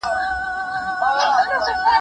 که موږ لټي وکړو نو ټولنه به له پرمختګ پاته سي.